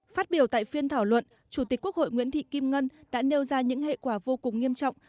phát biểu tại phiên thảo luận chủ tịch quốc hội nguyễn thị kim ngân đã nêu ra những hệ quả vô cùng nghiêm trọng